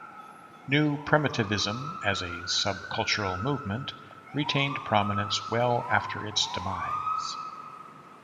New Primitivism as a sub-cultural movement retained prominence well after its demise.